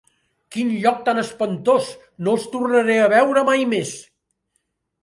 Quin lloc tan espantós; no els tornaré a veure mai més!